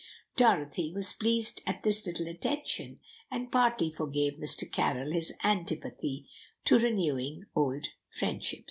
Dorothy was pleased at this little attention, and partly forgave Mr. Carroll his antipathy to renewing old friendships.